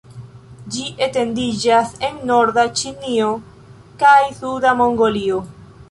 Ĝi etendiĝas en norda Ĉinio kaj suda Mongolio.